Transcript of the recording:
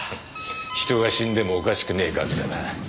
人が死んでもおかしくねえ額だな。